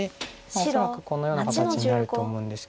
恐らくこのような形になると思うんですけど。